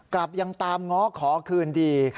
กลับยังตามง้อขอคืนดี